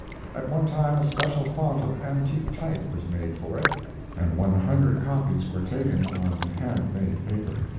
At one time a special font of antique type was made for it and one hundred copies were taken on hand made paper.